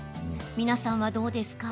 皆さんはどうですか？